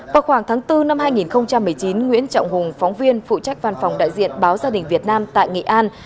vào khoảng tháng bốn năm hai nghìn một mươi chín nguyễn trọng hùng phóng viên phụ trách văn phòng đại diện báo gia đình việt nam tại nghệ an